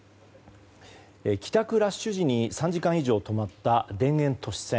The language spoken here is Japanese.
帰宅ラッシュ時に３時間以上止まった田園都市線。